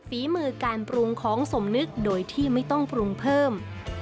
ฝีมือการปรุงของสมนึกโดยที่ไม่ต้องปรุงเพิ่ม